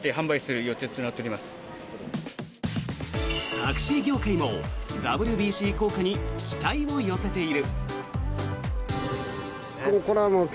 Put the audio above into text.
タクシー業界もＷＢＣ効果に期待を寄せている。